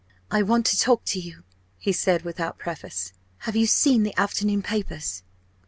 "I want to talk to you," he said without preface. "Have you seen the afternoon papers?"